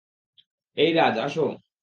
এই রাজ, আসো।